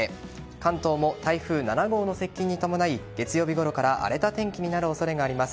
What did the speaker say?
関東も台風７号の接近に伴い月曜日ごろから荒れた天気になる恐れがあります。